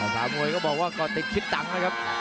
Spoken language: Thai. ทางมวยก็บอกว่าก็ติดคิดตังค์นะครับ